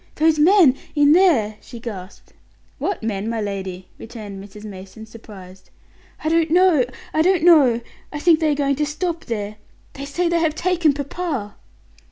"Those men in there!" she gasped. "What men, my lady?" returned Mrs. Mason, surprised. "I don't know; I don't know. I think they are going to stop there; they say they have taken papa."